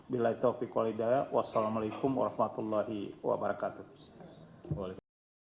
bila itu apikul idaya wassalamu'alaikum warahmatullahi wabarakatuh